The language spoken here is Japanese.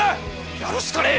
やるしかねぇ！